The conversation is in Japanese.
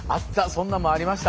そんなんもありました。